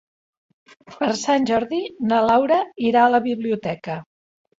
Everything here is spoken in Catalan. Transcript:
Per Sant Jordi na Laura irà a la biblioteca.